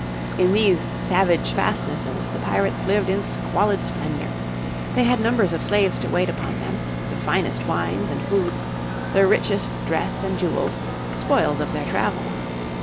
In these savage fastnesses the pirates lived in squalid splendour. They had numbers of slaves to wait upon them, the finest wines and foods, the richest dress and jewels, spoils of their travels.